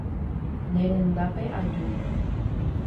Nerendápe aju.